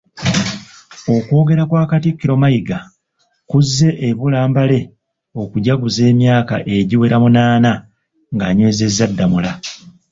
Okwogera kwa Katikkiro Mayiga kuzze ebula mbale okujaguza emyaka egiwera munaana ng'anywezezza Ddamula